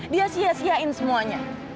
dia sia siain semuanya